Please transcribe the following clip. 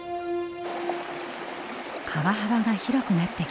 川幅が広くなってきました。